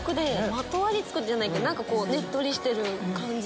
まとわりつくじゃないけどねっとりしてる感じで。